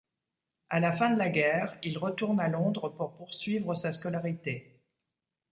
À la fin de la guerre, il retourne à Londres pour poursuivre sa scolarité.